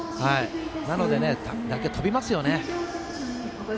なので打球、飛びますよね。